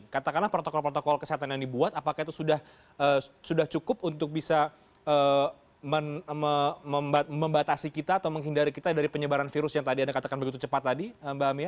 katakanlah protokol protokol kesehatan yang dibuat apakah itu sudah cukup untuk bisa membatasi kita atau menghindari kita dari penyebaran virus yang tadi anda katakan begitu cepat tadi mbak mia